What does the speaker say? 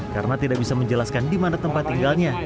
karena tidak bisa menjelaskan di mana tempat tinggalnya